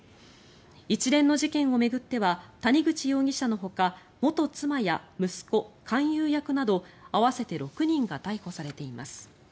一連の事件を巡っては谷口容疑者のほか元妻や息子、勧誘役など合わせて６人が逮捕されています。